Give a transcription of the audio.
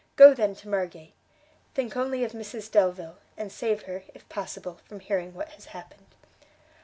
Go, then, to Margate; think only of Mrs Delvile, and save her, if possible, from hearing what has happened."